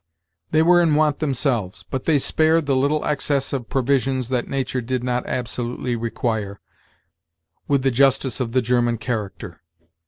They were in want themselves, but they spared the little excess of provisions that nature did not absolutely require, with the justice of the German character.